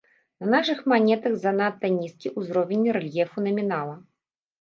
На нашых манетах занадта нізкі ўзровень рэльефу намінала.